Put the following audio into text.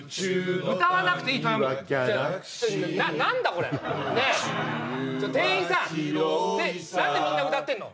これ宇宙は店員さん何でみんな歌ってんの？